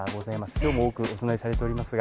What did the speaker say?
今日も多くお供えされておりますが。